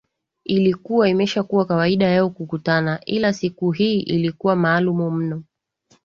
ilikuwa imeshakuwa kawaida yao kukutana ila siku hii ilikuwa maalum mno